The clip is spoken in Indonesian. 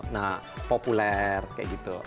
nah populer kayak gitu